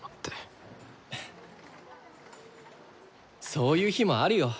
そういう日もあるよ。